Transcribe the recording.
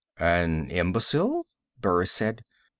"An imbecile?" Burris said.